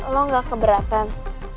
lo ga keberatan